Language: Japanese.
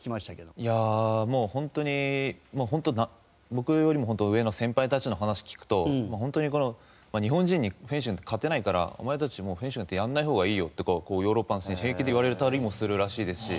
いやあもう本当に僕よりも本当上の先輩たちの話聞くと本当にこの「日本人フェンシング勝てないからお前たちフェンシングなんてやらない方がいいよ」ってヨーロッパの選手に平気で言われたりもするらしいですし。